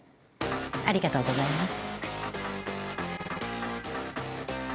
ありがとうございます。